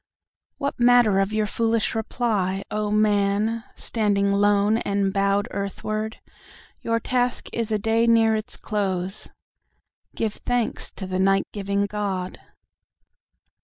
"What matter your foolish reply! O, man, standing lone and bowed earthward,"Your task is a day near its close. Give thanks to the night giving God."